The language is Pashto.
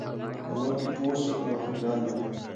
که موږ پوه سو، نو خفګان به نه وي.